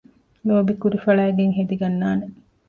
ލޯބިން ކުރި ފަޅައިގެން ހެދިގަންނާނެ